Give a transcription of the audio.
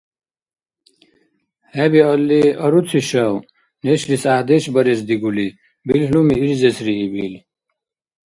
– ХӀебиалли… аруцишав? – нешлис гӀяхӀдеш барес дигули, билгьлуми ирзесрииб ил.